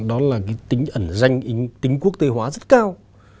đó là cái tính ẩn danh tính quốc tế hóa rất cao